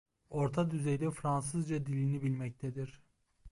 Orta düzeyde Fransızca dilini bilmektedir.